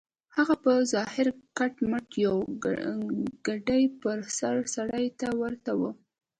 هغه په ظاهره کټ مټ يوې کډې پر سر سړي ته ورته و.